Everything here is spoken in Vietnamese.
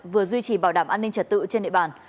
vừa duy trì bảo đảm an ninh trật tự trên địa bàn